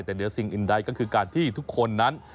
แต่เหนือสิ่งอื่นใดก็คือการที่ทุกคนนั้น